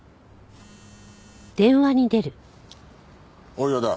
大岩だ。